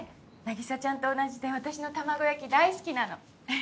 凪沙ちゃんと同じで私の卵焼き大好きなの。